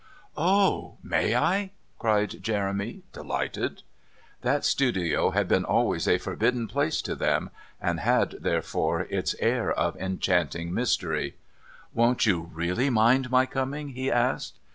"Oh, may I?" cried Jeremy delighted. That studio had been always a forbidden place to them, and had, therefore, its air of enchanting mystery. "Won't you really mind my coming?" he asked.